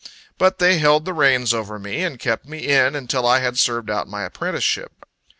But they held the reins over me, and kept me in, until I had served out my apprenticeship.